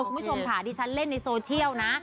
คุณผู้ชมค่ะดิฉันเล่นในโซเชียลนะ